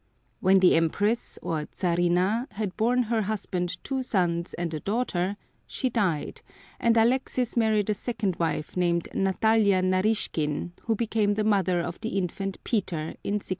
When the Empress, or Czarina, had borne her husband two sons and a daughter she died, and Alexis married a second wife named Natalia Naryshkin, who became the mother of the infant Peter in 1672.